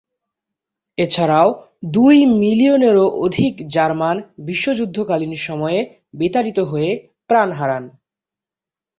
এছাড়াও, দুই মিলিয়নেরও অধিক জার্মান বিশ্বযুদ্ধকালীন সময়ে বিতাড়িত হয়ে প্রাণ হারান।